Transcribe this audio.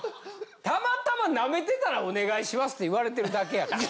たまたま舐めてたら「お願いします」って言われてるだけやから。